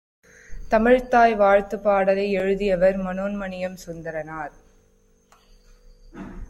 தமிழ்த்தாய் வாழ்த்துப் பாடலை எழுதியவர் மனோன்மணியம் சுந்தரனார்.